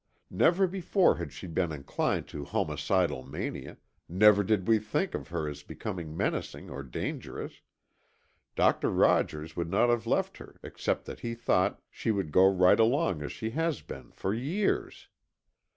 Never before had she been inclined to homicidal mania, never did we think of her as becoming menacing or dangerous—Doctor Rogers would not have left her except that he thought she would go right along as she has been for years.